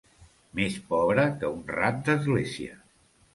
Més pobre que un rat d'església.